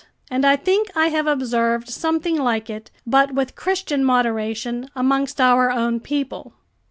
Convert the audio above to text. And I think I have observed something like it, but with Christian moderation, amongst our own people.